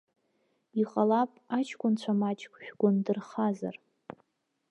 Иҟалап аҷкәынцәа маҷк шәгәы ндырхазар?